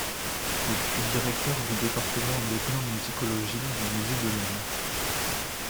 Il fut directeur du département d'ethnomusicologie du musée de l'Homme.